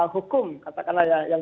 hukum katakanlah ya yang